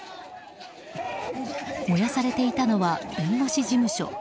燃やされていたのは弁護士事務所。